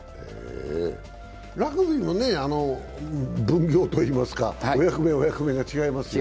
ラグビーも分業といいますか、お役目、お役目が違いますね。